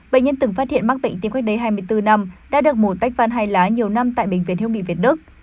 bệnh nhân từng phát hiện mắc bệnh tim cách đây hai mươi bốn năm đã được mổ tách van hai lá nhiều năm tại bệnh viện hiếu nghị việt đức